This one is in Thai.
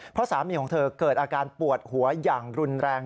เพราะสามีของเธอเกิดอาการปวดหัวอย่างรุนแรง